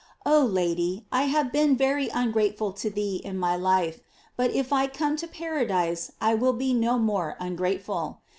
Oh Lady, I have been very ungrateful to thee in my life ; but if I come to paradise I will be no more ungrateful.